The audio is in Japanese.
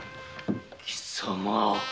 貴様